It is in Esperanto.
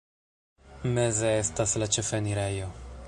Meze estas la ĉefenirejo.